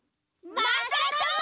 まさとも！